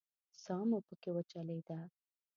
ساه مو پکې وچلېده.